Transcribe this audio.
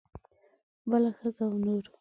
بله ښځه او نور.